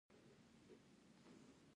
سرحدونه د افغانانو د ژوند طرز اغېزمنوي.